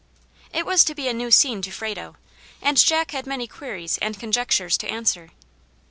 It was to be a new scene to Frado, and Jack had many queries and conjectures to answer.